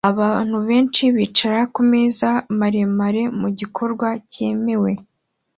Abantu benshi bicara kumeza maremare mugikorwa cyemewe